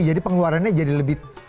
jadi pengeluarannya jadi lebih